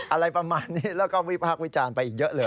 อะไรประมาณนี้แล้วก็วิพากษ์วิจารณ์ไปอีกเยอะเลย